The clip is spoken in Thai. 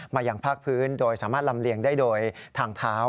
อย่างภาคพื้นโดยสามารถลำเลียงได้โดยทางเท้า